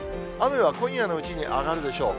雨は今夜のうちに上がるでしょう。